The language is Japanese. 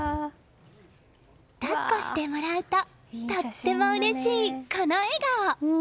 抱っこしてもらうととってもうれしい、この笑顔！